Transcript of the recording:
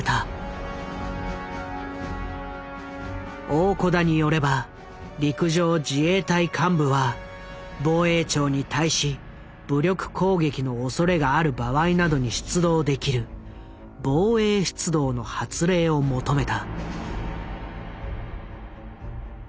大小田によれば陸上自衛隊幹部は防衛庁に対し武力攻撃のおそれがある場合などに出動できる防衛出動の発令を求めた。